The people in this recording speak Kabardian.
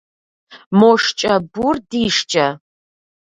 Мо шкӏэ бур ди шкӏэ?